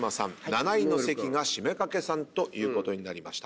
７位の席が七五三掛さんということになりました。